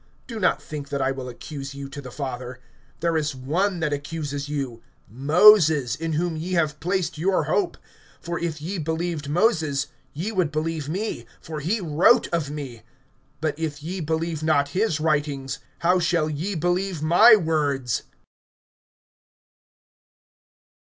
(45)Do not think that I will accuse you to the Father; there is one that accuses you, Moses in whom ye have placed your hope. (46)For if ye believed Moses, ye would believe me; for he wrote of me. (47)But if ye believe not his writings, how shall ye believe my words?